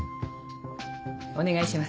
お願いします。